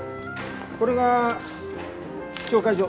これが紹介状。